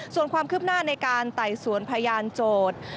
ส่วนความคืบหน้าในการไต่สวนพยานโจทย์